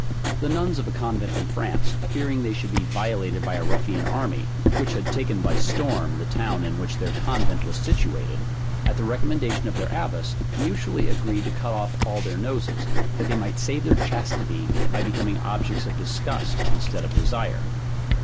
The nuns of a convent in France, fearing they should be violated by a ruffian army, which had taken by storm the town in which their convent was situated, at the recommendation of their abbess, mutually agreed to cut off all their noses, that they might save their chastity by becoming objects of disgust instead of desire.